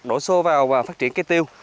đổ xô vào phát triển cây tiêu